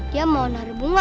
dia mau naruh bunga